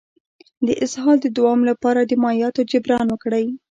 د اسهال د دوام لپاره د مایعاتو جبران وکړئ